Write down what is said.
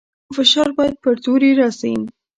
فشار باید پر توري راسي.